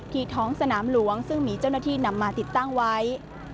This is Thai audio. ท้องสนามหลวงซึ่งมีเจ้าหน้าที่นำมาติดตั้งไว้